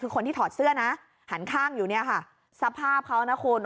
คือคนที่ถอดเสื้อนะหันข้างอยู่เนี่ยค่ะสภาพเขานะคุณ